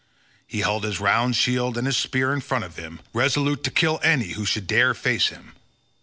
He held his round shield and his spear in front of him, resolute to kill any who should dare face him.